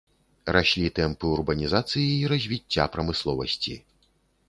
Раслі тэмпы урбанізацыі і развіцця прамысловасці.